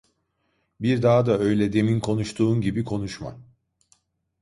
Bir daha da öyle demin konuştuğun gibi konuşma…